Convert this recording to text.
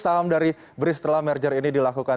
saham dari bris setelah merger ini dilakukan